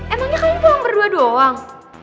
emangnya kalian berdua doang